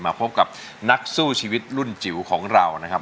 พบกับนักสู้ชีวิตรุ่นจิ๋วของเรานะครับ